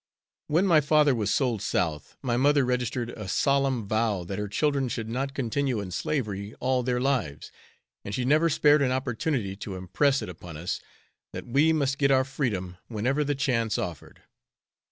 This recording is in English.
When my father was sold South, my mother registered a solemn vow that her children should not continue in slavery all their lives, and she never spared an opportunity to impress it upon us, that we must get our freedom whenever the chance offered.